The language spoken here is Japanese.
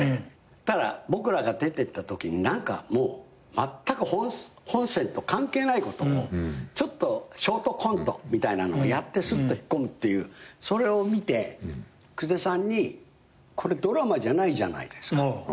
ただ僕らが出てったときにまったく関係ないことをショートコントみたいなのをやってすっと引っ込むっていうそれを見て久世さんにこれドラマじゃないじゃないですか。